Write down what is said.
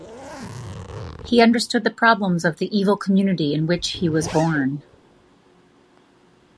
He understood the problems of the evil community in which he was born.